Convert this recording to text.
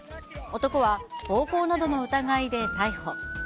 男は暴行などの疑いで逮捕。